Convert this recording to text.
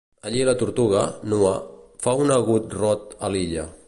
Allí la tortuga, nua, fa un agut rot a l'illa.